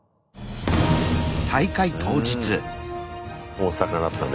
大阪だったね。